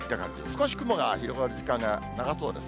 少し雲が広がる時間が長そうです。